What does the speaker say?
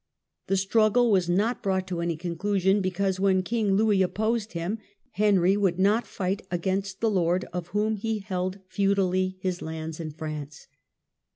The struggle was not brought to any conclusion, because, when King Louis opposed him, Henry would not fight against the lord of whom he held feudally his lands in France.